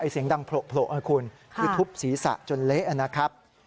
เสียงดังโผล่นะคุณคือทุบศีรษะจนเละนะครับ